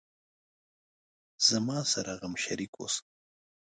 زما سره غم شریک اوسه